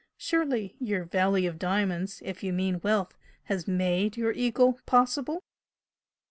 Surely your Valley of Diamonds if you mean wealth has made your 'Eagle' possible?"